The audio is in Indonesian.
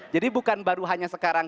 jadi bukan baru hanya sekarang